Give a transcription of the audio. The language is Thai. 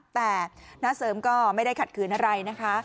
แต่น้าเสริมก็ไม่ได้ขัดขืนอะไรนะคะ